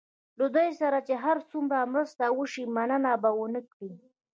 له دوی سره چې هر څومره مرسته وشي مننه به ونه کړي.